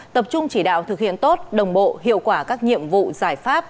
tập trung chỉ đạo thực hiện tốt đồng bộ hiệu quả các nhiệm vụ giải pháp